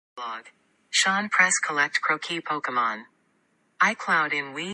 The lake's remaining storage capacity is for flood control.